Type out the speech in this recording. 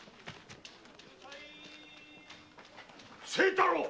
清太郎！